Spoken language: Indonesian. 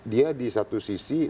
dia di satu sisi